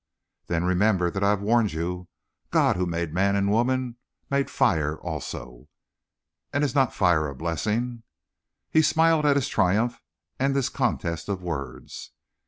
"Then, remember that I have warned you. God, who made man and woman, made fire also." "And is not fire a blessing?" He smiled at his triumph and this contest of words.